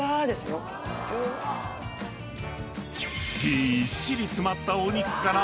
［ぎーっしり詰まったお肉から］